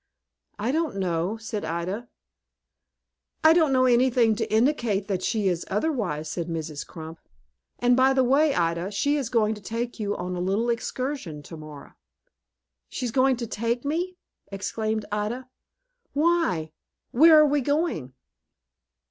"I don't know," said Ida. "I don't know anything to indicate that she is otherwise," said Mrs. Crump. "And, by the way, Ida, she is going to take you on a little excursion, to morrow." "She going to take me?" exclaimed Ida. "Why, where are we going?"